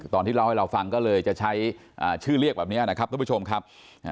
ตอนที่เล่าให้เราฟังก็เลยจะใช้ชื่อเรียกแบบนี้นะครับทุกผู้ชมครับ